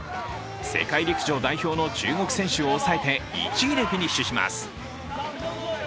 世界陸上代表の中国選手を抑えて１位でフィニッシュします。